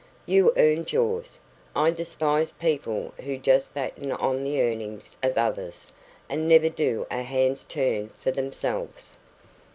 You earned yours. I despise people who just batten on the earnings of others, and never do a hand's turn for themselves."